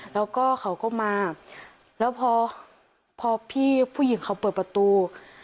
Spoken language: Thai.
แล้วก็เขาก็มาแล้วพอพอพี่ผู้หญิงเขาเปิดประตู